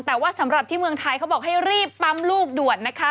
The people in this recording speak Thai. แต่ว่าสำหรับที่เมืองไทยเขาบอกให้รีบปั๊มลูกด่วนนะคะ